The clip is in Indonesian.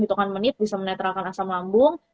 hitungan menit bisa menetralkan asam lambung